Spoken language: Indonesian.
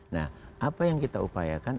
nah apa yang kita upayakan